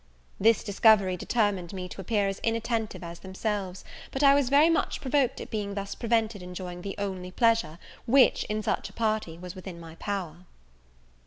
This discovery determined me to appear as inattentive as themselves; but I was very much provoked at being thus prevented enjoying the only pleasure, which, in such a party, was within my power.